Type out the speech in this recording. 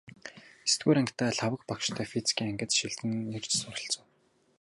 Есдүгээр ангидаа Лхагва багштай физикийн ангид шилжин ирж сурч билээ.